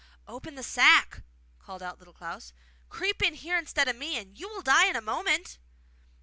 'Open the sack,' called out Little Klaus; 'creep in here instead of me, and you will die in a moment!